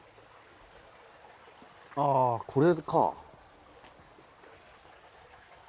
あこれか。